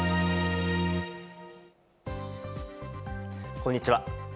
こんにちは。